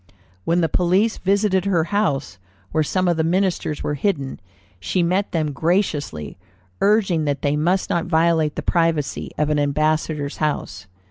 "When the police visited her house, where some of the ministers were hidden, she met them graciously, urging that they must not violate the privacy of an ambassador's house.